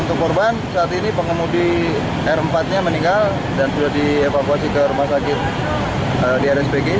untuk korban saat ini pengemudi r empat nya meninggal dan sudah dievakuasi ke rumah sakit di rspg